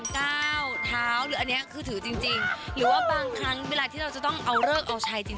เธอพรหมดจากเยื่อพรหมดจาก